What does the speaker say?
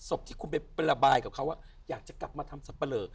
ที่คุณไประบายกับเขาว่าอยากจะกลับมาทำสับปะเลอ